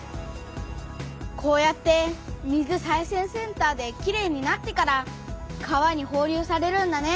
こうやって水再生センターできれいになってから川にほう流されるんだね。